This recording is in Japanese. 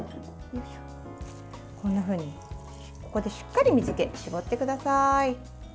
こんなふうに、ここでしっかり水け絞ってください。